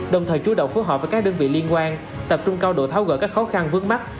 đồng thời chú động phối hợp với các đơn vị liên quan tập trung cao độ tháo gỡ các khó khăn vướng mắt